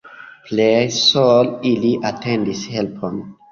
Pleje sole ili atendis helpon.